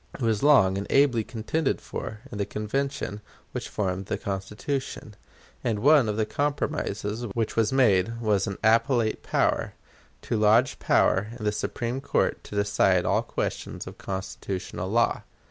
It was long and ably contended for in the Convention which formed the Constitution; and one of the compromises which was made was an appellate power to lodge power in the Supreme Court to decide all questions of constitutional law.